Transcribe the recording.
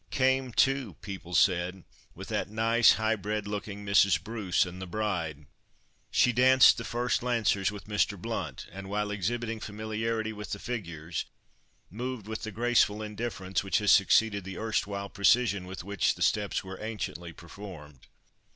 "Came, too" (people said), "with that nice, high bred looking Mrs. Bruce and the bride." She danced the first lancers with Mr. Blount, and while exhibiting familiarity with the figures, moved with the graceful indifference which has succeeded the erstwhile precision with which the "steps" were anciently performed.